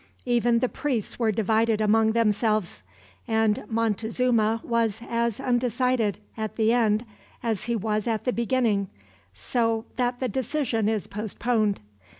Even the priests were divided among themselves; and Montezuma was as undecided, at the end, as he was at the beginning; so that the decision is postponed.